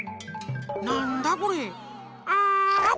なんだこれ？